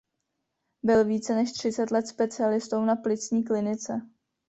Byl více než třicet let specialistou na plicní klinice.